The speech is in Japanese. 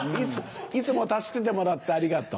いつも助けてもらってありがとう。